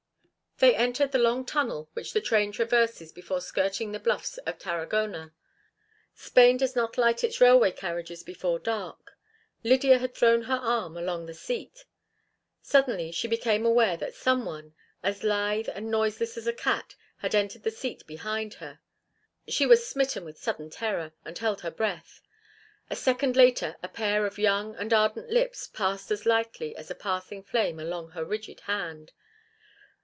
They entered the long tunnel which the train traverses before skirting the bluffs of Tarragona. Spain does not light its railway carriages before dark. Lydia had thrown her arm along the seat. Suddenly she became aware that some one, as lithe and noiseless as a cat, had entered the seat behind her. She was smitten with sudden terror, and held her breath. A second later a pair of young and ardent lips passed as lightly as a passing flame along her rigid hand.